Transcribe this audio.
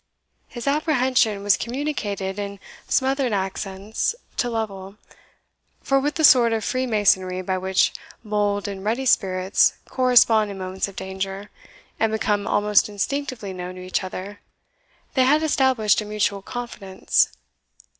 His apprehension was communicated in smothered accents to Lovel; for with the sort of freemasonry by which bold and ready spirits correspond in moments of danger, and become almost instinctively known to each other, they had established a mutual confidence.